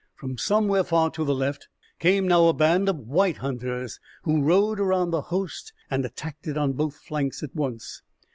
From somewhere far to the left came now a band of white hunters, who rode around the host and attacked it on both flanks at once.